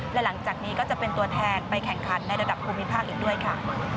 และหลังจากนี้ก็จะเป็นตัวแทนไปแข่งขันในระดับภูมิภาคอีกด้วยค่ะ